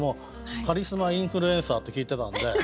カリスマインフルエンサーって聞いてたんで。